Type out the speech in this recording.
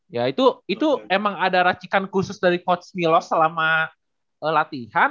ya itu emang ada racikan khusus dari coach milos selama latihan